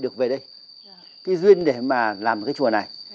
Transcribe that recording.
cái duyên để mà làm cái chùa này